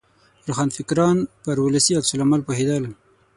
روښانفکران پر ولسي عکس العمل پوهېدل.